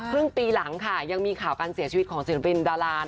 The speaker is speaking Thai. ครึ่งปีหลังค่ะยังมีข่าวการเสียชีวิตของศิลปินดารา